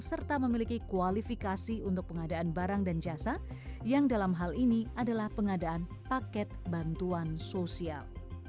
serta memiliki kualifikasi untuk pengadaan barang dan jasa yang dalam hal ini adalah pengadaan paket bantuan sosial